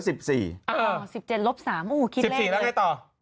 ๑๗ลบ๓โอ้โหคิดแรก